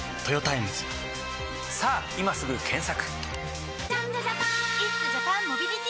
さぁ今すぐ検索！